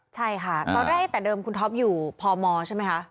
ใช่ค่ะตอนแรกแต่เดิมคุณท็อปอยู่พมใช่ไหมคะ